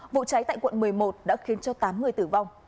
vụ cháy tại quận một mươi một đã khiến cho tám người tử vong